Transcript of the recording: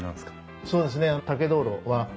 そうですね。